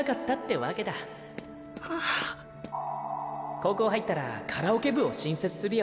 高校入ったらカラオケ部を新設するよ。